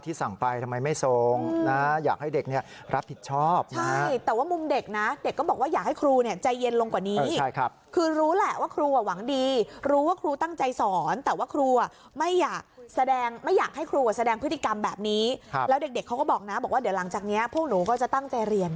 สั่งไปทำไมไม่ทรงนะอยากให้เด็กเนี่ยรับผิดชอบใช่แต่ว่ามุมเด็กนะเด็กก็บอกว่าอยากให้ครูเนี่ยใจเย็นลงกว่านี้ใช่ครับคือรู้แหละว่าครูอ่ะหวังดีรู้ว่าครูตั้งใจสอนแต่ว่าครูไม่อยากแสดงไม่อยากให้ครูแสดงพฤติกรรมแบบนี้แล้วเด็กเขาก็บอกนะบอกว่าเดี๋ยวหลังจากนี้พวกหนูก็จะตั้งใจเรียน